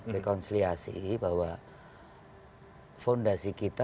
rekonsiliasi bahwa fondasi kita